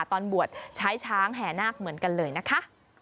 ตอนบวชใช้ช้างแห่นาคเหมือนกันเลยนะคะ